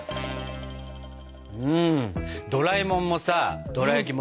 ドラえもんもさドラやきもさ